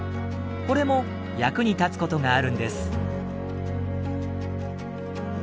これも役に立つことがあるんです。